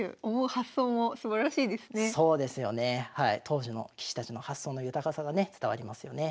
当時の棋士たちの発想の豊かさがね伝わりますよね。